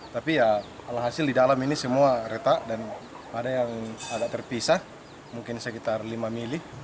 tapi ya alhasil di dalam ini semua retak dan ada yang agak terpisah mungkin sekitar lima mili